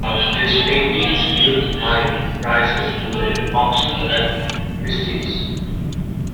These paintings yield high prices today, auctioned at Christie's.